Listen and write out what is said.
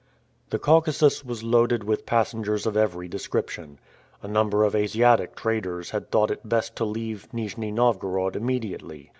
The Caucasus was loaded with passengers of every description. A number of Asiatic traders had thought it best to leave Nijni Novgorod immediately.